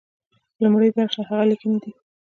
لومړۍ برخه يې هغه ليکنې دي.